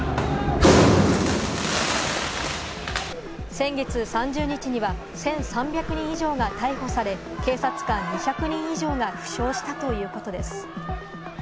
先月３０日には１３００人以上が逮捕され、警察官２００人以上が負傷したということです。